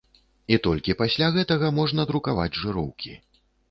І толькі пасля гэтага можна друкаваць жыроўкі.